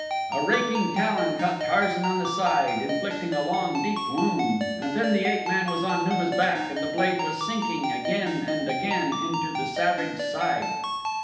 A raking talon caught Tarzan on the side, inflicting a long, deep wound and then the ape man was on Numa's back and the blade was sinking again and again into the savage side.